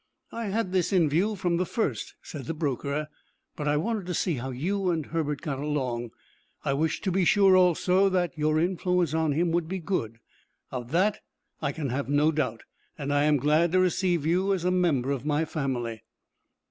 "I had this in view from the first," said the broker, "but I wanted to see how you and Herbert got along. I wished to be sure, also, that your influence on him would be good. Of that I can have no doubt, and I am glad to receive you as a member of my family."